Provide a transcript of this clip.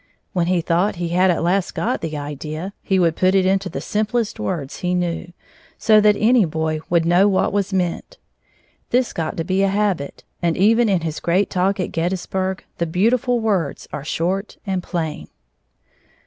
When he thought he had at last got the idea, he would put it into the simplest words he knew, so that any boy would know what was meant. This got to be a habit, and even in his great talk at Gettysburg the beautiful words are short and plain.